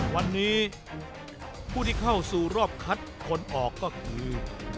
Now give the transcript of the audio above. วันนี้ผู้ที่เข้าสู่รอบคัดคนออกก็คือ